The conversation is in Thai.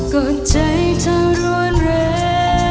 ก็ใจเธอรวนเลย